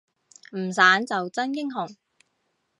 唔散就真英雄